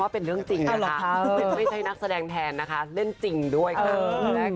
ว่าจริงค่ะไม่ใช่นักแสดงแทนเรื่องจริงด้วยค่ะ